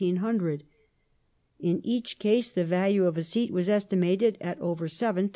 In each case the value of a seat was estimated at over £7,000.